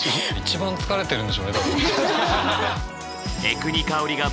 一番疲れてるんでしょうね。